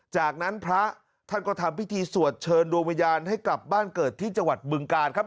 จากนั้นพระท่านก็ทำพิธีสวดเชิญดวงวิญญาณให้กลับบ้านเกิดที่จังหวัดบึงกาลครับ